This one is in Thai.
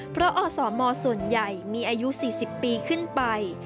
เพราะอสมส่วนใหญ่มีอายุ๔๐ปีขึ้นไป